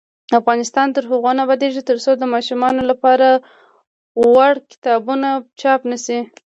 افغانستان تر هغو نه ابادیږي، ترڅو د ماشومانو لپاره وړ کتابونه چاپ نشي.